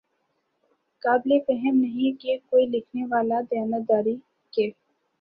قابل فہم نہیں کہ کوئی لکھنے والا دیانت داری کے